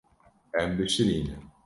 Em bişirîne.